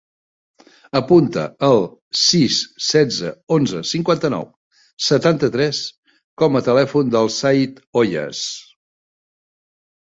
Apunta el sis, setze, onze, cinquanta-nou, setanta-tres com a telèfon del Zayd Hoyas.